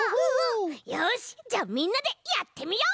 よしじゃあみんなでやってみよう！